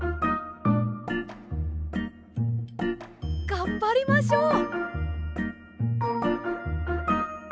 がんばりましょう！